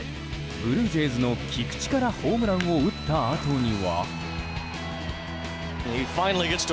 ブルージェイズの菊池からホームランを打ったあとには。